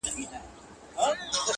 شعار خو نه لرم له باده سره شپې نه كوم،